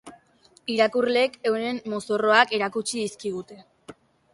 Irakurleek euren mozorroak erakutsi dizkigute!